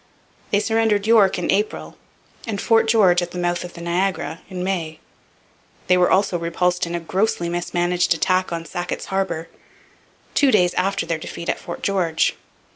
They surrendered York in April and Fort George, at the mouth of the Niagara, in May. They were also repulsed in a grossly mismanaged attack on Sackett's Harbour two days after their defeat at Fort George.